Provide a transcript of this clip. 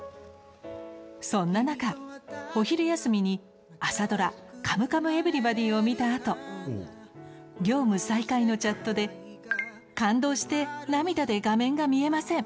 そんな中、お昼休みに朝ドラ「カムカムエヴリバディ」を見たあと業務再開のチャットで「感動して涙でパソコンが見えません！